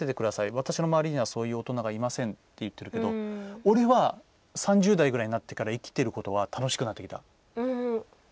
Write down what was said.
私の周りにはそういう大人がいませんって言ってるけど俺は３０代になってから生きていることは楽しくなってきた。